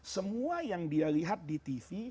semua yang dia lihat di tv